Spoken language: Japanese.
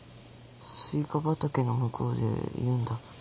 スイカ畑の向こうで言うんだ。